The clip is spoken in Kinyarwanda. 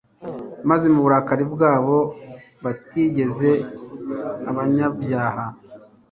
maze mu burakari bwabo batikiza abanyabyaha